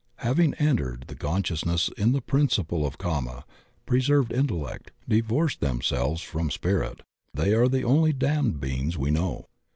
Having centered the consciousness in the principle of kama, preserved intellect, divorced themselves from spirit, they are the only damned beings we know.